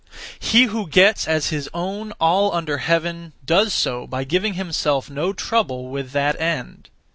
He who gets as his own all under heaven does so by giving himself no trouble (with that end).